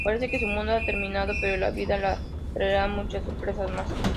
Parece que su mundo ha terminado, pero la vida le traerá muchas sorpresas más.